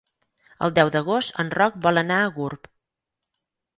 El deu d'agost en Roc vol anar a Gurb.